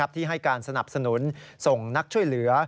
ที่ให้การสนับสนุนส่งนักช่วยเหลือ